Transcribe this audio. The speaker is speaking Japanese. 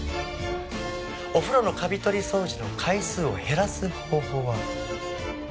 お風呂のカビ取り掃除の回数を減らす方法は。